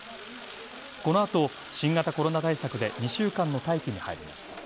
この後、新型コロナ対策で２週間の待機に入ります。